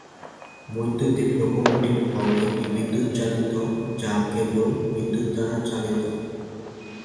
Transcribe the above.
বৈদ্যুতিক লোকোমোটিভ হ'ল একটি বিদ্যুৎ চালিত যা কেবল বিদ্যুত দ্বারা চালিত।